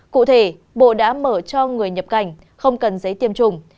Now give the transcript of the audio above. cụ thể bộ đã mở cho người nhập cảnh không cần giấy tiêm chủng